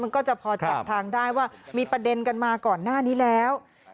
มันก็จะพอจับทางได้ว่ามีประเด็นกันมาก่อนหน้านี้แล้ว